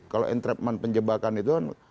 kalau entrapment penjebakan itu kan